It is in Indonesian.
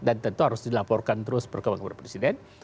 dan tentu harus dilaporkan terus perkembangan presiden